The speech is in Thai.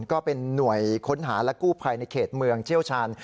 ก็เป็นหน่วยค้นหาและกู้ภัยในเขตเมืองเชี่ยวชาญ